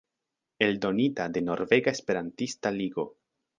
Eldonita de Norvega Esperantista Ligo.